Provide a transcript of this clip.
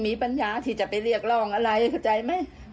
ก็ออกมาฉีดแจงว่ากลุ่มไหนควรฉีด